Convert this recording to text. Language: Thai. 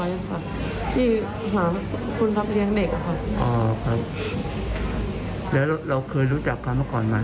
เออจะบอกว่าช่วยค่ะน้องช้ากลวงไว้จะทำยังไง